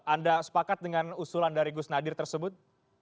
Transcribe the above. anda sepakat dengan usulan dari gus nadir tersebut